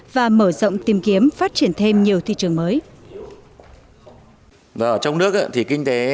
và mở rộng tìm kiếm phát triển thêm nhiều thị trường mới